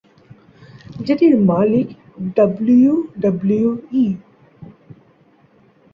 যেটির মালিক ডাব্লিউডাব্লিউই।